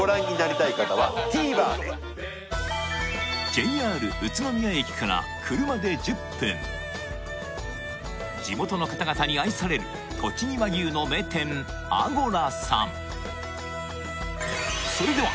ＪＲ宇都宮駅から車で１０分地元の方々に愛されるとちぎ和牛の名店阿吾羅さん